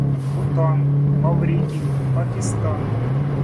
Бутан, Маврикий, Пакистан.